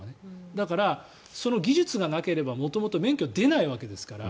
だから、技術がなければ元々、免許出ないわけですから。